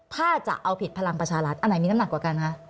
ถ้าจะเอาผิดพลังประชารัฐอันไหนมีน้ำหนักกว่ากันคะ